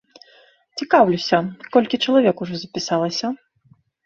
Цікаўлюся, колькі чалавек ужо запісалася?